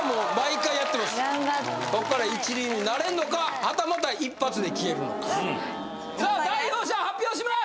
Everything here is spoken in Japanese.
頑張りたいこっから一流になれんのかはたまた一発で消えるのかさあ代表者発表します！